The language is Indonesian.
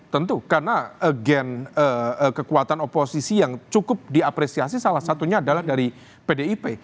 tentu karena agen kekuatan oposisi yang cukup diapresiasi salah satunya adalah dari pdip